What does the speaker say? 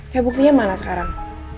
ya buktinya mana sekarang